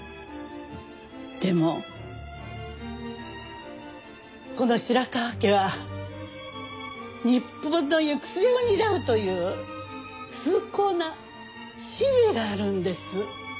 でもこの白河家は日本の行く末を担うという崇高な使命があるんです。